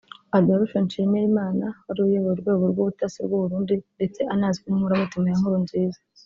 Adolphe Nshimirimana wari uyoboye urwego rw’ubutasi rw’u Burundi ndetse anazwi nk’inkoramutima ya Nkurunziza